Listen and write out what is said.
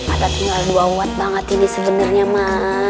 ada tinggal dua wad banget ini sebenernya ma